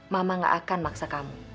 mama gak akan maksa kamu